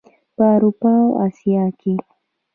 په اروپا او اسیا کې.